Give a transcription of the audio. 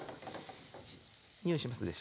匂いしますでしょ？